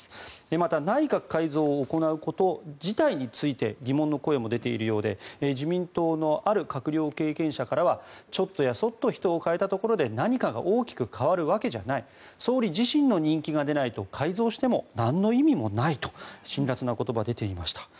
また内閣改造を行うこと自体について疑問の声も出ているようで自民党のある閣僚経験者からはちょっとやそっと人を代えたところで何かが大きく変わるわけじゃない総理自身の人気が出ないと改造してもなんの意味もないと辛らつな言葉が出ていました。